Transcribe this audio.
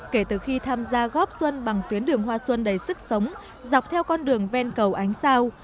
kể từ khi tham gia góp xuân bằng tuyến đường hoa xuân đầy sức sống dọc theo con đường ven cầu ánh sao